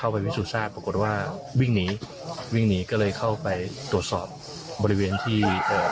ปรากฏว่าวิ่งหนีวิ่งหนีก็เลยเข้าไปตรวจสอบบริเวณที่เอ่อ